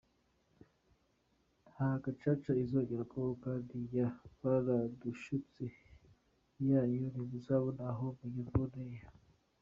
Nta gacaca uzongera kubaho kandi ya ” baradushutse” yanyu ntimuzabona aho muyivugira.